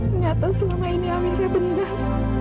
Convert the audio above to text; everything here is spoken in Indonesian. ternyata selama ini amerika benar